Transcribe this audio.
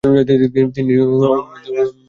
তিনি অপূর্ণাঙ্গ যত্ন পান।